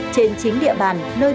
trên chính địa bàn nơi mình sinh sống